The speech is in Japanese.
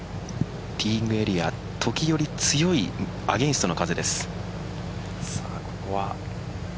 ティーイングエリア時折、強いアゲンストの風です。